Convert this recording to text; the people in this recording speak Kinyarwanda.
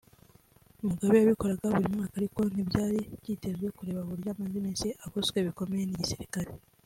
Mugabe yabikoraga buri mwaka ariko ntibyari byitezwe kubera uburyo amaze iminsi agoswe bikomeye n’igisirikare